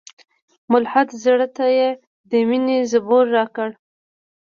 ملحد زړه ته یې د میني زبور راکړی